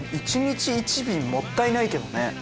１日１便もったいないけどね。